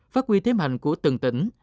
phát huy thế mạnh của từng tỉnh